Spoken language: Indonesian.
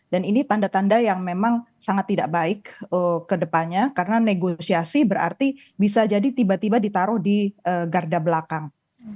dan ini tanda tanda yang memang sangat tidak baik kedepannya karena negosiasi berarti bisa jadi tiba tiba ditaruh di garda belakang